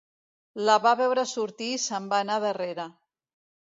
La va veure sortir i se'n va anar darrera